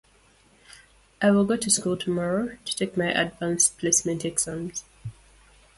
I will go to school tomorrow to take my Advanced Placement exams.